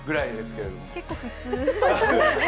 結構普通。